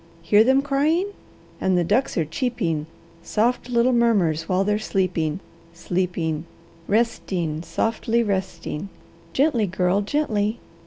Hear them crying? And the ducks are cheeping, soft little murmurs while they're sleeping, sleeping. Resting, softly resting! Gently, Girl, gently!